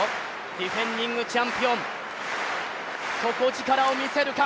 ディフェンディングチャンピオン底力を見せるか。